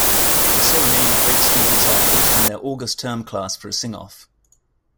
The serenade breaks students up based on their August Term class for a sing-off.